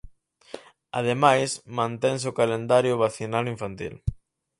Ademais, mantense o calendario vacinal infantil.